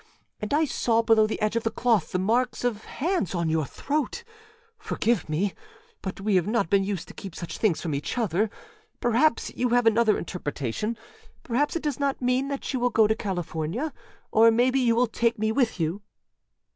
And I saw below the edge of the cloth the marks of hands on your throatâforgive me, but we have not been used to keep such things from each other. Perhaps you have another interpretation. Perhaps it does not mean that you will go to California. Or maybe you will take me with you?